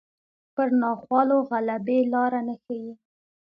پر ناخوالو غلبې لاره نه ښيي